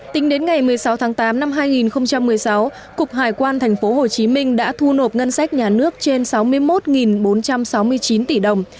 tính đến ngày một mươi sáu tháng tám năm hai nghìn một mươi sáu cục hải quan tp hcm đã thu nộp ngân sách nhà nước trên sáu mươi một bốn trăm sáu mươi chín tỷ đồng